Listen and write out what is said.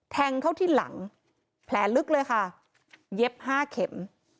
แทงเข้าที่หลังแผลลึกเลยค่ะเย็บห้าเข็ม